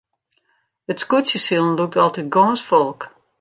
It skûtsjesilen lûkt altyd gâns folk.